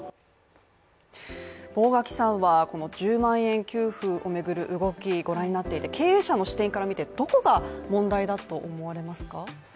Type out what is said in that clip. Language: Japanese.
坊垣さんはこの１０万円給付をめぐる動き、ご覧になっていて経営者の視点から見てどこが問題だと思われますか。